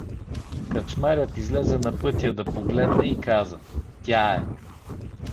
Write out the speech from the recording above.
Кръчмарят излезе на пътя да погледне и каза: Тя е.